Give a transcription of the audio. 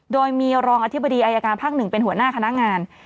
โดยมีรองอธิบดีอายการภาค๑เป็นหัวหน้าคณะงาน